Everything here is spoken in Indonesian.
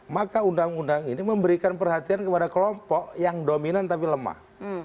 maka undang undang ini memberikan perhatian kepada kelompok yang dominan tapi lemah